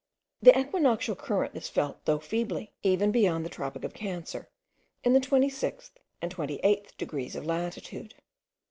The equinoctial current is felt, though feebly, even beyond the tropic of Cancer, in the 26th and 28th degrees of latitude.